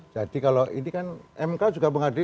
jadi kalau ini kan mk juga menghadir